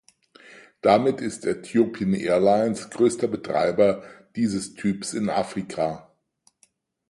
Damit ist Ethiopian Airlines größter Betreiber dieses Typs in Afrika.